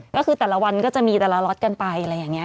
ก็คือแต่ละวันก็จะมีแต่ละล็อตกันไปอะไรอย่างนี้